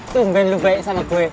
tumben lu bae sama gue